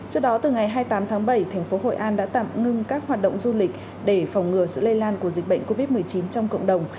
trước đó từ ngày hai mươi tám tháng bảy thành phố hội an đã tạm ngưng các hoạt động du lịch để phòng ngừa sự lây lan của dịch bệnh covid một mươi chín trong cộng đồng